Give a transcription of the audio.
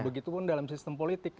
begitu pun dalam sistem politik